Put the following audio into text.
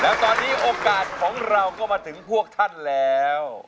แล้วตอนนี้โอกาสของเราก็มาถึงพวกท่านแล้ว